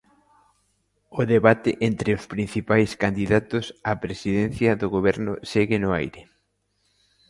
O debate entre os principais candidatos á presidencia do goberno segue no aire.